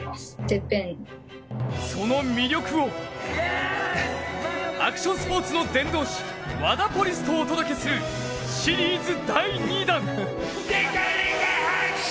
その魅力をアクションスポーツの伝道師ワダポリスとお届けするシリーズ第２弾。